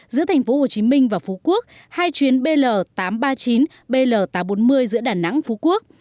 giữa thành phố hồ chí minh và phú quốc hai chuyến bl tám trăm ba mươi chín bl tám trăm bốn mươi giữa đà nẵng phú quốc